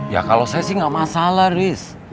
ya kalau saya sih gak masalah riz